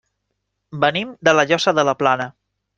Venim de La Llosa de la Plana.